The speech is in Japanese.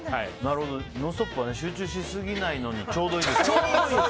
「ノンストップ！」は集中しすぎないのにちょうどいいですから。